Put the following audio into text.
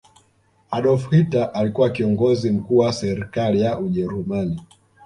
adolf hitler alikuwa kiongozi mkuu wa serikali ya ujerumani